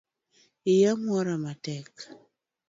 Iya mwora matek.